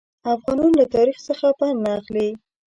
افغانان له تاریخ څخه پند نه اخلي.